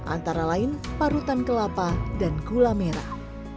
antara lain parutan kelapa dan gula merah